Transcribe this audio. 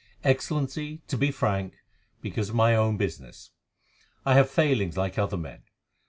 "Excellency, to be frank, because of my own business. I have failings like other men.